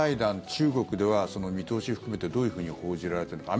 中国では、その見通しを含めてどういうふうに報じられているのか。